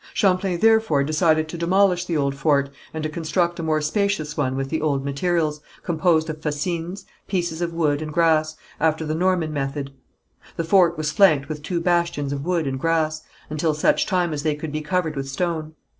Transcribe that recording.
Champlain therefore decided to demolish the old fort, and to construct a more spacious one with the old materials, composed of fascines, pieces of wood and grass, after the Norman method. The fort was flanked with two bastions of wood and grass, until such time as they could be covered with stone.